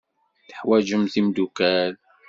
Teḥwajemt imeddukal.